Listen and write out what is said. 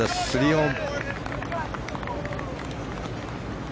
３オン。